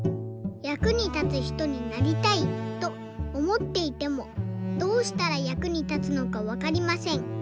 「役に立つひとになりたいとおもっていてもどうしたら役に立つのかわかりません。